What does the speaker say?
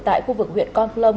tại khu vực huyện con plông